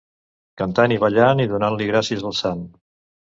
Cantant i ballant i donant-li gràcies al sant.